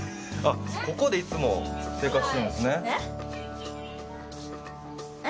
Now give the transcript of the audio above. ここでいつも生活してるんすね